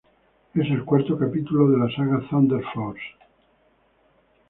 Es el cuarto capítulo de la saga Thunder Force.